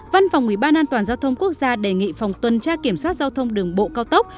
văn phòng ủy ban an toàn giao thông quốc gia đề nghị phòng tuần tra kiểm soát giao thông đường bộ cao tốc